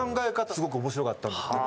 すごく面白かったんですけど。